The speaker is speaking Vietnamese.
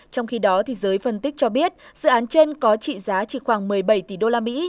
trong khi đó giới phân tích cho biết dự án trên có trị giá chỉ khoảng một mươi bảy tỷ usd